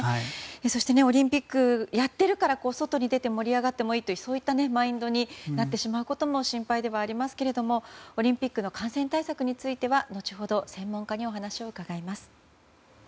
そして、オリンピックをやっているから、外に出て盛り上がってもいいというそういったマインドになることも心配ではありますがオリンピックの感染対策については後ほど専門家にお話を伺います。